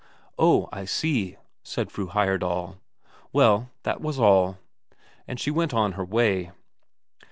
"Oh, I see," said Fru Heyerdahl; "well, that was all." And she went on her way.